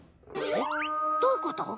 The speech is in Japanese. えっどういうこと？